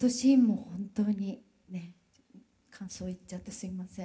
感想言っちゃってすいません。